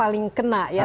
paling kena ya